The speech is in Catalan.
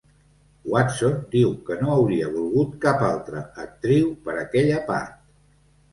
Watson diu que no hauria volgut cap altra actriu per aquella part.